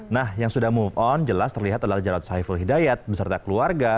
nah yang sudah move on jelas terlihat adalah jarod saiful hidayat beserta keluarga